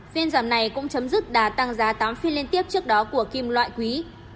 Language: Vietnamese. phiên giảm này cũng chấm dứt đà tăng giá tám phiên liên tiếp trước đó của kim loại quý